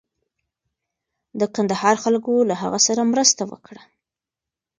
د کندهار خلکو له هغه سره مرسته وکړه.